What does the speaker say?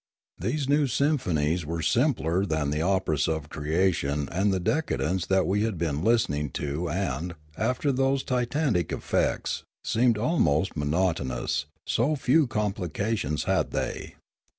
These new symphonies were simpler than the operas of creation and decadence that we had been listening to and, after those titanic effects, seemed almost monotonous, so few complications had they.